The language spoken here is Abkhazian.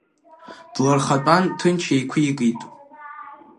Длархатәан ҭынч еиқәикит.